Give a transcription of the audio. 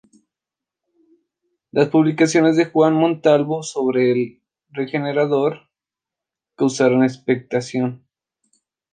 Las publicaciones de Juan Montalvo, sobre todo "El Regenerador", causaron expectación.